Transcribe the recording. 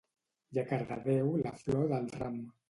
I a Cardedeu la flor del ram